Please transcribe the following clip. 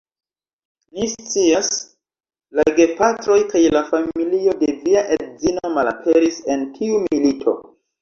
Ni scias, la gepatroj kaj la familio de via edzino malaperis en tiu milito.